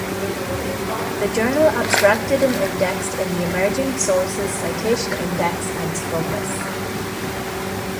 The journal abstracted and indexed in the Emerging Sources Citation Index and Scopus.